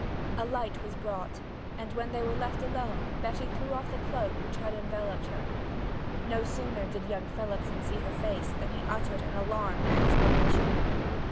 A light was brought, and when they were left alone Betty threw off the cloak which had enveloped her. No sooner did young Phelipson see her face than he uttered an alarmed exclamation.